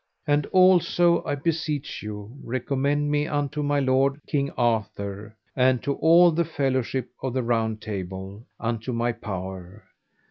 And also I beseech you recommend me unto my lord, King Arthur, and to all the fellowship of the Round Table, unto my power.